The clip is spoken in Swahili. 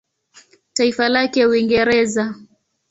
Taifa lake Uingereza.